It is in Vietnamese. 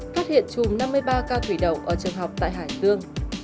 phát hiện chùm năm mươi ba ca thủy đậu ở trường học tại hải tương